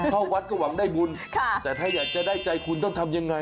เข้าวัดก็หวังได้บุญแต่ถ้าอยากจะได้ใจคุณต้องทำยังไง